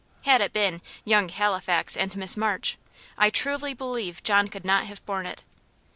Had it been "young Halifax and Miss March," I truly believe John could not have borne it.